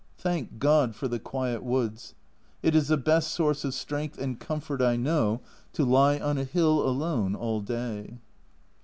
Thank God for the quiet woods. It is the best source of strength and comfort I know, to lie on a hill alone all day.